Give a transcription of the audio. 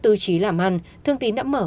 tư trí làm ăn thương tín đã mở